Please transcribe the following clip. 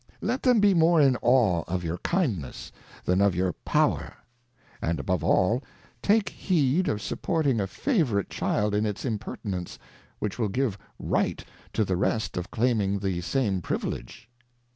Let them be more in awe of your Kindness than of your Power. And above all, take heed of supporting a Favourite Child in its Impertinence, which will give Right to the rest of claiming the same Privilege.